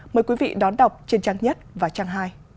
mời quý vị đón đọc trên trang nhất và trang hai